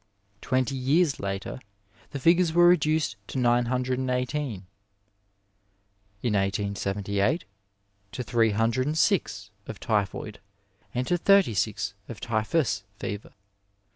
Twenty years later the figures were reduced to nine hundred and eighteen ; in 1878 to three hundred and six of typhoid and to thirty six of typhus fever.